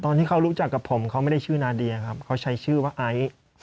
ที่เขารู้จักกับผมเขาไม่ได้ชื่อนาเดียครับเขาใช้ชื่อว่าไอซ์